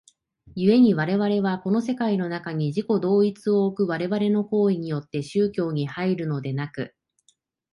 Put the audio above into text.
故に我々はこの世界の中に自己同一を置く我々の行為によって宗教に入るのでなく、